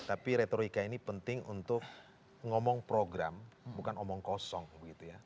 tapi retorika ini penting untuk ngomong program bukan omong kosong begitu ya